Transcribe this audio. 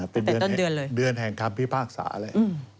เป็นเดือนแห่งคำพิพากษาเลย